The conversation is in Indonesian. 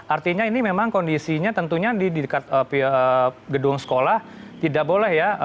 artinya ini memang kondisinya tentunya di dekat gedung sekolah tidak boleh ya